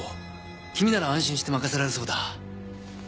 君なら安心して任せられそうだ。